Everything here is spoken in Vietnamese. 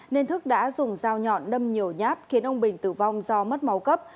nên thức đã dùng dao nhọn nâm nhiều nhát khiến ông bình tử vong do mất máu cấp